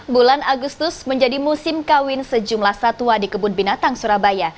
bulan agustus menjadi musim kawin sejumlah satwa di kebun binatang surabaya